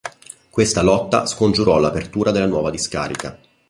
Questa lotta scongiurò l'apertura della nuova discarica.